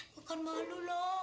gua kan malu la